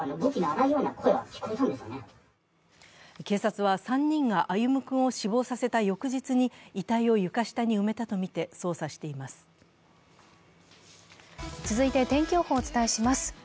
警察は３人が歩夢君を死亡させた翌日に遺体を床下に埋めたとみて捜査しています。